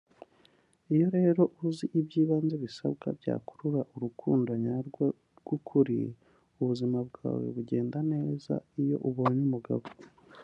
iyo rero uzi ibyibanze bisabwa byakurura urukundo nyarwo rw’ukuri ubuzima bwawe bugenda neza iyo ubonye umugabo